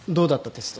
テスト。